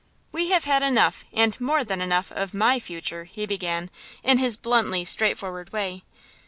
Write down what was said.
"We have had enough, and more than enough, of my future," he began, in his bluntly straightforward way.